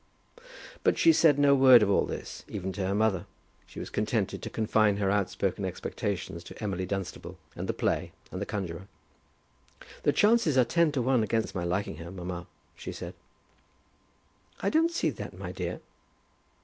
But she said no word of all this, even to her mother. She was contented to confine her outspoken expectations to Emily Dunstable, and the play, and the conjuror. "The chances are ten to one against my liking her, mamma," she said. "I don't see that, my dear."